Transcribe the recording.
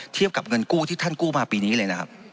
เทียบกับเงินกู้ที่ท่านกู้มาปีนี้เลยนะครับ